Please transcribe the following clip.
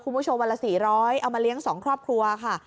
คุณผู้ชมวันละ๔๐๐เอามาเลี้ยง๒ครอบครัวค่ะ